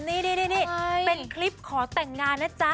นี่เป็นคลิปขอแต่งงานนะจ๊ะ